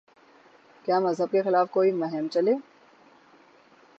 کیا مذہب کے خلاف کوئی مہم چلی؟